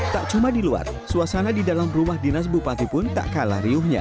tak cuma di luar suasana di dalam rumah dinas bupati pun tak kalah riuhnya